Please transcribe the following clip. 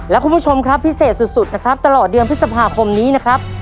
และคุณผู้ชมครับพิเศษสุดนะครับตลอดเดือนพฤษภาคมนี้นะครับ